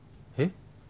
えっ？